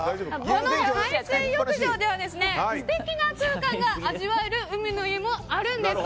この海水浴場では素敵な空間が味わえる海の家があるんです。